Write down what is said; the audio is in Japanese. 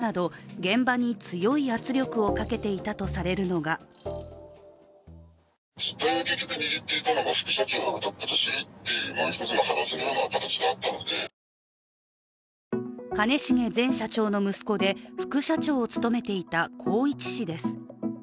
とりわけ、降格処分を連発するなど現場に強い圧力をかけていたとされるのが兼重前社長の息子で、副社長を務めていた宏一氏です。